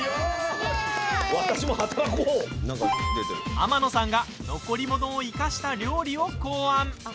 天野さんが残り物を生かした料理を考案。